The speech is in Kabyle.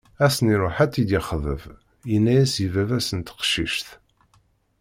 Ass-nn iruḥ ad tt-id-yexḍeb, yenna-as i baba-s n teqcict.